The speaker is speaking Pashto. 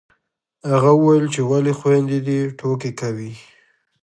هغه وويل چې ولې خویندې دې ټوکې کوي